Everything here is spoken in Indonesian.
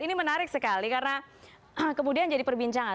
ini menarik sekali karena kemudian jadi perbincangan